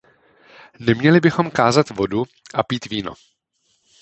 Neměli bychom kázat vodu a pít víno.